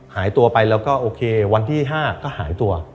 หายตัวไปแล้วก็โอเควันที่๕ก็หายตัว